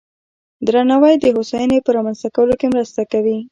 درناوی د هوساینې په رامنځته کولو کې مرسته کوي.